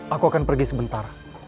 aku akan pergi sebentar